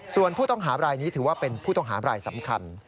ส่วนผู้ต้องหาบรายนี้ถือว่าเป็นผู้ต้องหาบรายสำคัญ